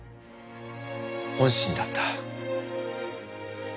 本心だった。